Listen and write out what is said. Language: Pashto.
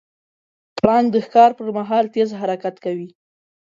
پړانګ د ښکار پر مهال تیز حرکت کوي.